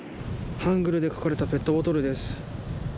ハングルが書かれたペットボトルです。